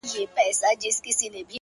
په زړه مي ژړوې گراني په خوله مي ژړوې.!